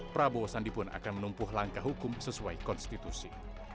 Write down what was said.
prabowo sandi pun akan menumpuh langkah hukum sesuai konstitusi